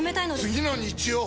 次の日曜！